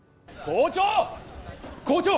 校長！